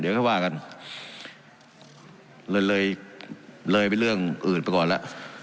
เดี๋ยวก็ว่ากันเรื่อยเรื่อยเรื่อยไปเรื่องอื่นไปก่อนล่ะ